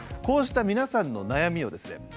こうした皆さんの悩みをですね